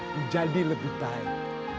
menjadi lebih baik